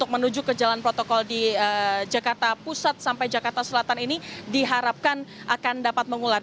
menuju ke jalan protokol di jakarta pusat sampai jakarta selatan ini diharapkan akan dapat mengular